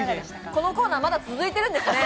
このコーナー、まだ続いてるんですね。